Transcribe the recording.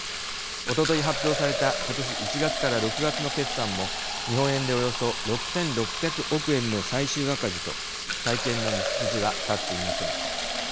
おととい発表された今年１月から６月の決算も日本円でおよそ６６００億円の最終赤字と再建の道筋は立っていません。